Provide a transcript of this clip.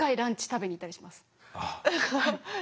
食べに行ったりします。